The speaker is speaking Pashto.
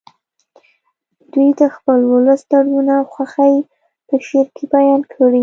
دوی د خپل ولس دردونه او خوښۍ په شعر کې بیان کړي